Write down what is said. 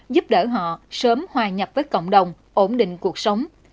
giúp đỡ họ sớm hòa nhập với cộng đồng ổn định cuộc sống